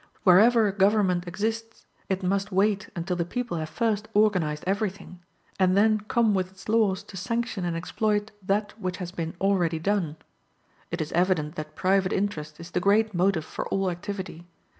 Wherever a government exists, it must wait until the people have first organized everything, and then come with its laws to sanction and exploit that which has been already done. It is evident that private interest is the great motive for all activity.